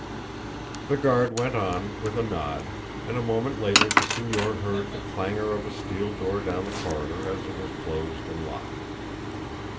The guard went on, with a nod, and a moment later the signor heard the clangor of a steel door down the corridor as it was closed and locked.